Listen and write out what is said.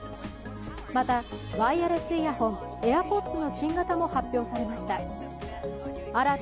また、ワイヤレスイヤホンＡｉｒＰｏｄｓの新型も発表されました。